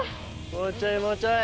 もうちょいもうちょい。